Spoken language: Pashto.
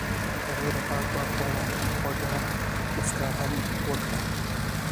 هغې د پاک باغ په اړه خوږه موسکا هم وکړه.